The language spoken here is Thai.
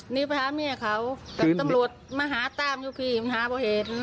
นี่พาเมียเขากับตำรวจมาหาตามอยู่พี่มันหาบ่อเหตุ